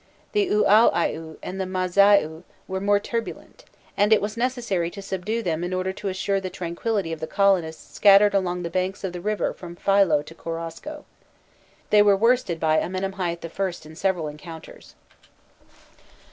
The Ûaûaiû and the Mâzaiû were more turbulent, and it was necessary to subdue them in order to assure the tranquillity of the colonists scattered along the banks of the river from Philo to Korosko. They were worsted by Amenemhâît I. in several encounters.